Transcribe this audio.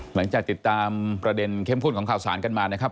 หลังจากติดตามประเด็นเข้มข้นของข่าวสารกันมานะครับ